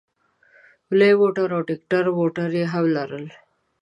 لوی موټر او ټیکټر موټر یې هم لرل.